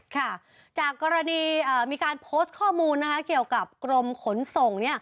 ค่ะจากกรณีมีการโพสต์ข้อมูลเกี่ยวกับกรมขนส่ง